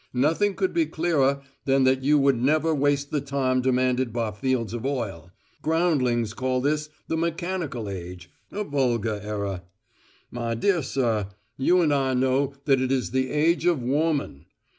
Nothing could be clearer than that you would never waste the time demanded by fields of oil. Groundlings call this `the mechanical age' a vulgar error. My dear sir, you and I know that it is the age of Woman!